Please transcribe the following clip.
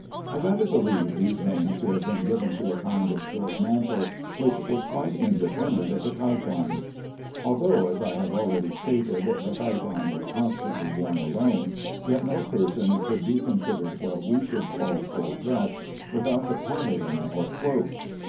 I rather believe these names to have been given to a kind of short mantle, which was quite independent of the chiton. Although, as I have already stated, the chiton was constantly worn alone, yet no person could be considered what we should call full dressed without the "pallium" or cloak.